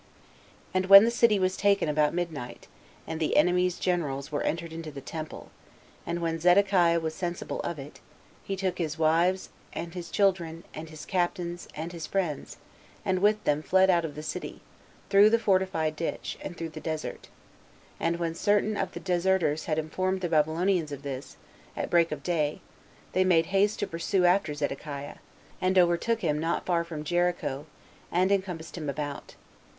And when the city was taken about midnight, and the enemy's generals were entered into the temple, and when Zedekiah was sensible of it, he took his wives, and his children, and his captains, and his friends, and with them fled out of the city, through the fortified ditch, and through the desert; and when certain of the deserters had informed the Babylonians of this, at break of day, they made haste to pursue after Zedekiah, and overtook him not far from Jericho, and encompassed him about.